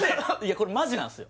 これマジなんですよ